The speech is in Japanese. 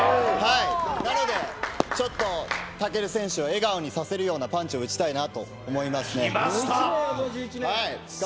なのでちょっと武尊選手を笑顔にさせるようなパンチを打ちたいと思いますね。